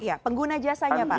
ya pengguna jasanya pak